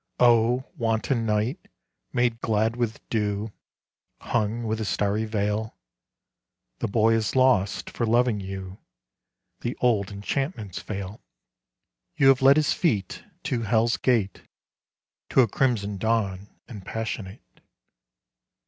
39 NEW LOVE Oh ! wanton night, made glad with dew, Hung with a starry veil ! The boy is lost for loving you, The old enchantments fail. You have led his feet to hell's gate To a crimson dawn and passionate.